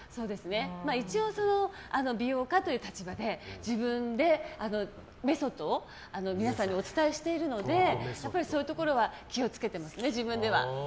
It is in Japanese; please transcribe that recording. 一応、美容家という立場で自分でメソッドを皆さんにお伝えしているのでそういうところは気を付けてますね、自分では。